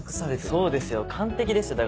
そうですよ完璧ですよ。